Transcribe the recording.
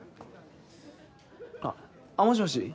あっもしもし？